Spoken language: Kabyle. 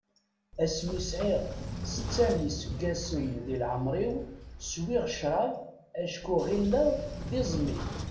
Asmi sɛiɣ setta n yiseggasen di leɛmer-iw, swiɣ crab acku ɣileɣ d iẓmi.